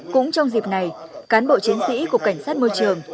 cũng trong dịp này cán bộ chiến sĩ của cảnh sát môi trường